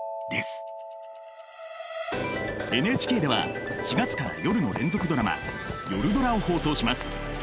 ＮＨＫでは４月から夜の連続ドラマ「夜ドラ」を放送します。